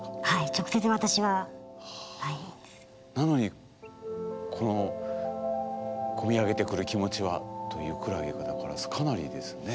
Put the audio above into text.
直接私はなのにこの込み上げてくる気持ちはというくらいだからかなりですね。